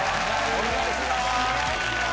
お願いします。